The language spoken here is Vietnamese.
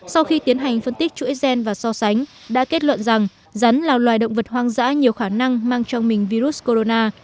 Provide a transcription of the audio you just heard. sau khi tiến hành phân tích chuỗi gen và so sánh đã kết luận rằng rắn là loài động vật hoang dã nhiều khả năng mang trong mình virus corona